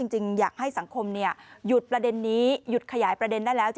จริงอยากให้สังคมหยุดประเด็นนี้หยุดขยายประเด็นได้แล้ว